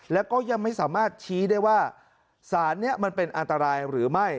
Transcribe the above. แล้วก็ยังไม่สามารถชี้ได้ว่าสารนี้มันเป็นอันตรายหรือไม่